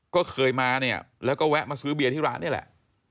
ก็เคยมาเนี่ยแล้วก็แวะมาซื้อเบียร์ที่ร้านนี่แหละ